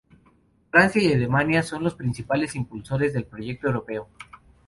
Francia y Alemania son los principales impulsores del proyecto europeo.